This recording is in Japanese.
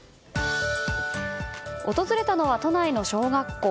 訪れたのは都内の小学校。